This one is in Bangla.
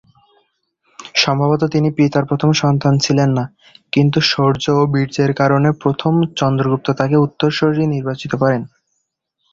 সম্ভবত তিনি পিতার প্রথম সন্তান ছিলেন না, কিন্তু শৌর্য ও বীর্যের কারণে প্রথম চন্দ্রগুপ্ত তাকেই উত্তরসূরি নির্বাচিত করেন।